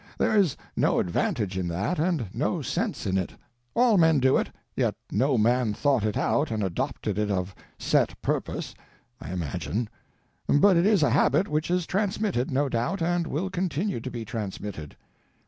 There is no advantage in that, and no sense in it. All men do it, yet no man thought it out and adopted it of set purpose, I imagine. But it is a habit which is transmitted, no doubt, and will continue to be transmitted.